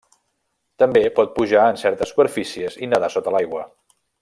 També pot pujar en certes superfícies i nedar sota l'aigua.